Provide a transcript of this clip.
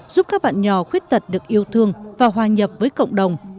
giúp các bạn nhỏ khuyết tật được yêu thương và hòa nhập với cộng đồng